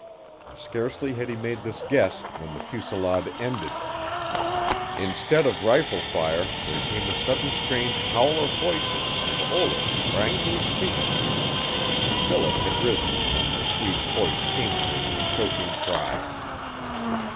Scarcely had he made this guess when the fusillade ended. Instead of rifle fire there came a sudden strange howl of voices and Olaf sprang to his feet. Philip had risen, when the Swede's voice came to him in a choking cry.